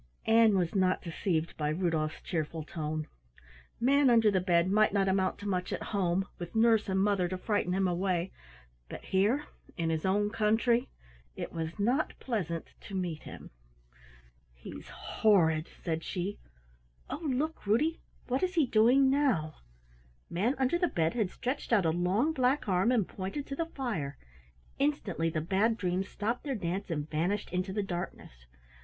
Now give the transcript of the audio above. Ann was not deceived by Rudolf's cheerful tone. Manunderthebed might not amount to much at home with nurse and mother to frighten him away, but here in his own country it was not pleasant to meet him. "He's horrid," said she. "Oh, look, Ruddy, what is he doing now?" Manunderthebed had stretched out a long black arm and pointed to the fire. Instantly the Bad Dreams stopped their dance and vanished into the darkness.